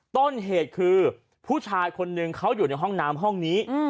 ต้นเหตุคือผู้ชายคนหนึ่งเขาอยู่ในห้องน้ำห้องนี้